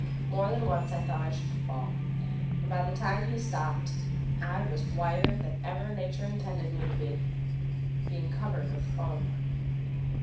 More than once I thought I should fall, and by the time he stopped I was whiter than even nature intended me to be, being covered with foam.